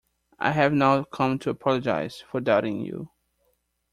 I have now come to apologize for doubting you.